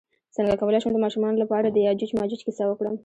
څنګه کولی شم د ماشومانو لپاره د یاجوج ماجوج کیسه وکړم